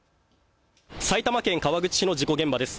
埼玉県川口市の事故現場です。